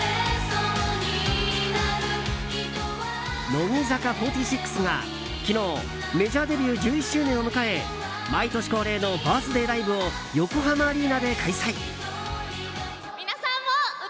乃木坂４６が昨日メジャーデビュー１１周年を迎え毎年恒例のバースデーライブを横浜アリーナで開催。